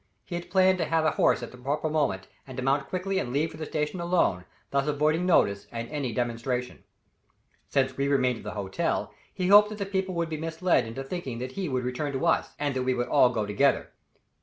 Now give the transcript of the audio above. He had planned to have a horse at the proper moment, and to mount quickly and leave for the station alone, thus avoiding notice and any demonstration. Since we remained at the hotel, he hoped that the people would be misled into thinking that he would return to us, and that we would all go together.